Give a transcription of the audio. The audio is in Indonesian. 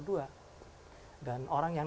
dua dan orang yang